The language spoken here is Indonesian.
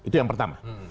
itu yang pertama